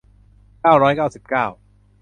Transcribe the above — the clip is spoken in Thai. เก้าร้อยเก้าสิบเก้า